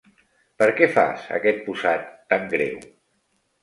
Per què fas aquest posat tan greu?